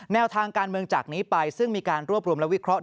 แนวทางการเมืองจากนี้ไปซึ่งมีการรวบรวมและวิเคราะห